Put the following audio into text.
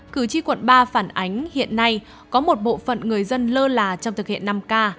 cử tri quận ba phản ánh hiện nay có một bộ phận người dân lơ là trong thực hiện năm k